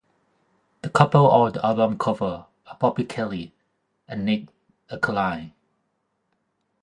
The couple on the album cover are Bobbi Kelly and Nick Ercoline.